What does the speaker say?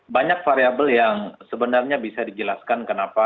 banyak variable yang sebenarnya bisa dijelaskan kenapa